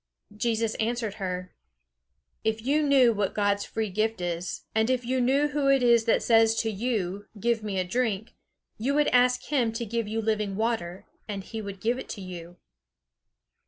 Jesus answered her: "If you knew what God's free gift is, and if you knew who it is that says to you, 'Give me a drink,' you would ask him to give you living water, and he would give it to you."